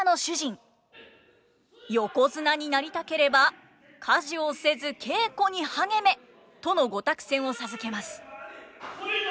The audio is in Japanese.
「横綱になりたければ家事をせず稽古に励め」との御託宣を授けます。